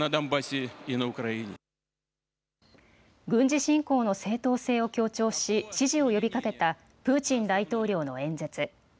軍事侵攻の正当性を強調し支持を呼びかけたプーチン大統領の演説。